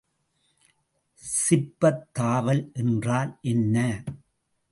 சிப்பத் தாவல் என்றால் என்ன?